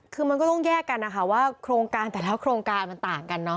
คือมันก็ต้องแยกกันนะคะว่าโครงการแต่ละโครงการมันต่างกันเนาะ